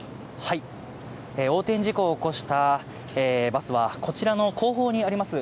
横転事故を起こしたバスは、こちらの後方にあります